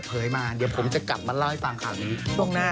แต่ใช้ดอกเกี้ยงหวยเหมือนกันยังเฮะ